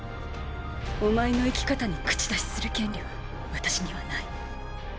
お前の生き方に口出しする権利は私には無い。